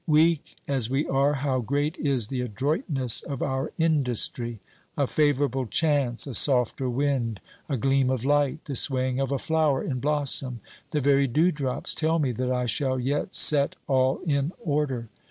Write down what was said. Weak as we are, how great is the adroitness of our industry ! A favourable chance, a softer wind, a gleam of light, the swaying of a flower in blossom, the very dew drops, tell me that I shall yet set all in order.